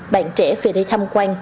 bạn trẻ về đây thăm quan